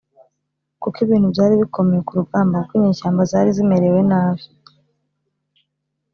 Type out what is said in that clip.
kuko ibintu byari bikomeye ku rugamba kuko inyeshyamba zari zimerewe nabi,